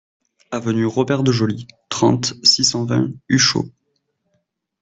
Avenue Robert de Joly, trente, six cent vingt Uchaud